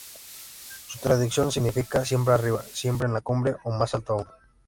Su traducción significa ""Siempre Arriba", "Siempre en la Cumbre" o "Más Alto Aun"".